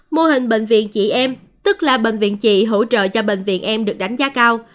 mô hình bệnh viện chị em tức là bệnh viện chị hỗ trợ cho bệnh viện em được đánh giá cao